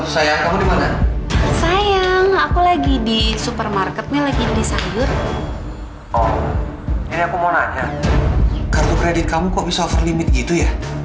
sampai jumpa di video selanjutnya